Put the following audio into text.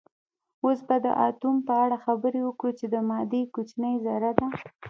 اوس به د اتوم په اړه خبرې وکړو چې د مادې کوچنۍ ذره ده